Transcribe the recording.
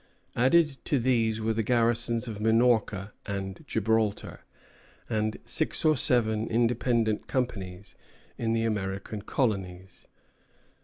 Added to these were the garrisons of Minorca and Gibraltar, and six or seven independent companies in the American colonies.